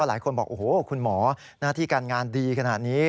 หลายคนบอกโอ้โหคุณหมอหน้าที่การงานดีขนาดนี้